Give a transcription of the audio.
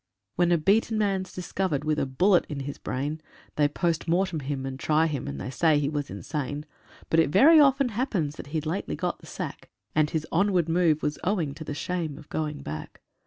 When a beaten man's discovered with a bullet in his brain, They POST MORTEM him, and try him, and they say he was insane; But it very often happens that he'd lately got the sack, And his onward move was owing to the shame of going back.